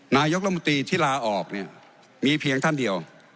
นายกรมตรีที่ลาออกเนี่ยมีเพียงท่านเดียว